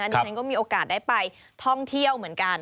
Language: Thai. ดิฉันก็มีโอกาสได้ไปท่องเที่ยวเหมือนกัน